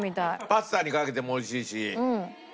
パスタにかけても美味しいし。